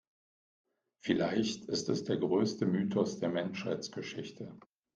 Vielleicht ist es der größte Mythos der Menschheitsgeschichte.